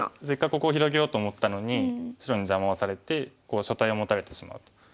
せっかくここを広げようと思ったのに白に邪魔をされてこう所帯を持たれてしまうと。